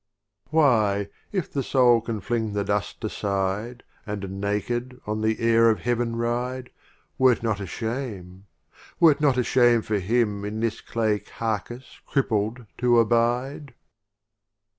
XLIV. Why, if the Soul can fling the Dust aside, And naked on the Air of Heaven ride, Were't not a Shame — were't not a Shame for him In this clay carcase crippled to abide